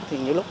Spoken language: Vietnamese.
thì nhiều lúc